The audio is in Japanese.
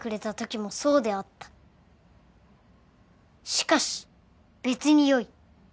しかし別によい。